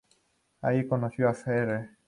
Allí conoció a fr.